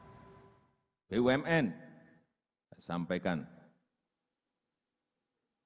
jadi ini memang ini baik kalau combo vaccinations